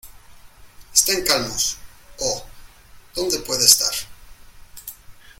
¡ Estén calmos! ¿ oh, dónde puede estar?